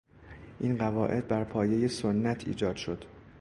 این قواعد بر پایهی سنت ایجاد شد.